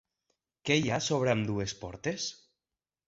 Què hi ha sobre ambdues portes?